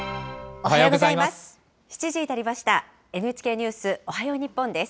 おはようございます。